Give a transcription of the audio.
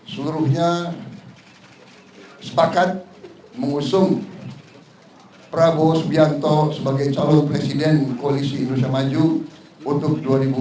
seluruhnya sepakat mengusung prabowo subianto sebagai calon presiden koalisi indonesia maju untuk dua ribu dua puluh empat dua ribu dua puluh sembilan